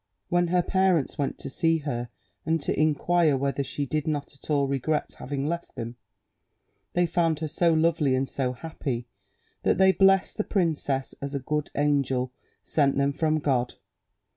When her parents went to see her and to inquire whether she did not at all regret having left them, they found her so lovely and so happy, that they blessed the princess as a good angel sent them from God.